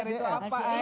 bapaknya gak ada